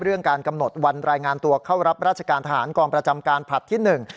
การกำหนดวันรายงานตัวเข้ารับราชการทหารกองประจำการผลัดที่หนึ่ง